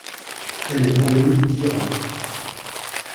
Elle est endémique d'Iran.